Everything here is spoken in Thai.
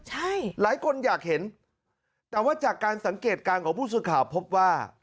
ใช่หลายคนอยากเห็นแต่ว่าจากการสังเกตการณ์ของผู้สื่อข่าวพบว่า